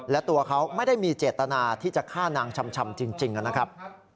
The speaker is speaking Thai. และตัวเขาไม่ได้มีเจตนาที่จะฆ่านางชำจริงนะครับ